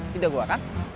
tidak gua kan